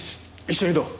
一緒にどう？